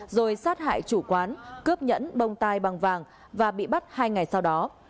rồi sát hại chủ quán cướp nhẫn bông tai bằng vàng và bị bắt hai ngày sau đó